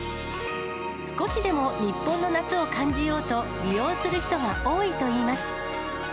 少しでも日本の夏を感じようと、利用する人が多いといいます。